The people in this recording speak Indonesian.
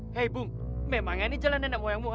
hei bu memang ini jalan anak moyangmu ha